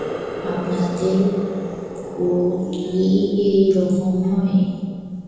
আপনাদেরও কি এই রকম হয়?